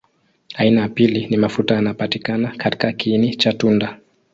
Aina ya pili ni mafuta yanapatikana katika kiini cha tunda.